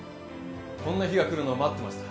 こんな日が来るのを待ってました。